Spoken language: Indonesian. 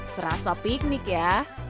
serasa piknik ya